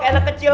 kau mau ngapain